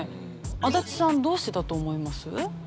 足立さんどうしてだと思います？